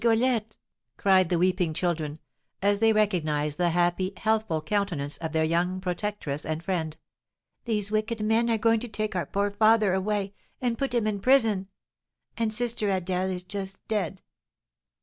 Rigolette," cried the weeping children, as they recognised the happy, healthful countenance of their young protectress and friend, "these wicked men are going to take our poor father away, and put him in prison! And sister Adèle is just dead!"